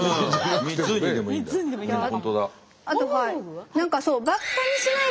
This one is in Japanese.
あとはい。